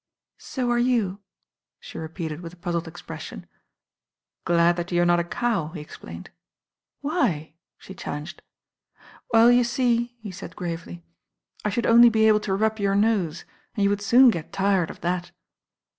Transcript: "So are you I" she repeated with a puzzled ex . pression. "Glad that you are not a cow," he explained. '•Why?" she challenged: "Well, you see," he s*i4 gravely, "I should only t08 THE RAm GIRL i .i 4 be able to rub your nose, and you would soon get tired of that."